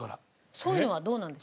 そういうのはどうなんですか？